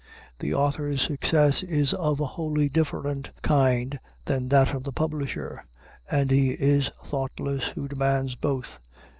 The author's success is of a wholly different kind from that of the publisher, and he is thoughtless who demands both.